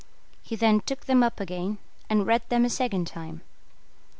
He then took them up again, and read them a second time.